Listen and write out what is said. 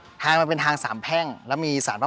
ชื่องนี้ชื่องนี้ชื่องนี้ชื่องนี้ชื่องนี้